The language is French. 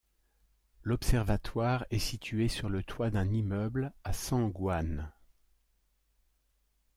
L'observatoire est situé sur le toit d'un immeuble à San Ġwann.